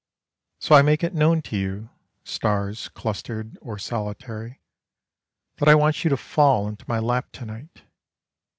So I make it known to you, stars clustered or solitary, That I want you to fall into my lap to night.